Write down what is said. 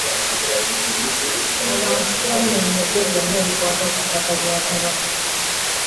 Abantu tubannyonnyodde byonna ebikwata ku ttaka lya Kabaka.